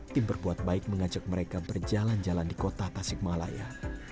tim berbuat baik mengajak mereka berjalan jalan di kota tasikmalaya